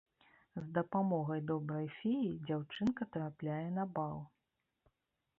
З дапамогай добрай феі дзяўчынка трапляе на бал.